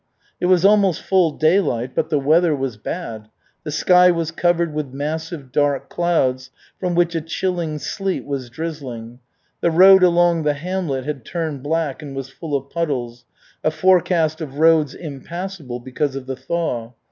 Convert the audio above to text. It was almost full daylight, but the weather was bad. The sky was covered with massive dark clouds, from which a chilling sleet was drizzling. The road along the hamlet had turned black and was full of puddles a forecast of roads impassable because of the thaw.